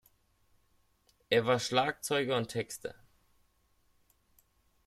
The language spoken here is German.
Er war Schlagzeuger und Texter.